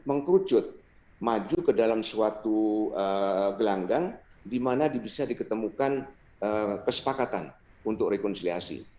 mengkerucut maju ke dalam suatu gelanggang di mana bisa diketemukan kesepakatan untuk rekonsiliasi